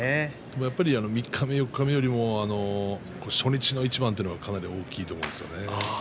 やはり三日目四日目よりも初日の一番というのが大きいと思うんですよね。